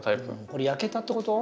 これ焼けたってこと？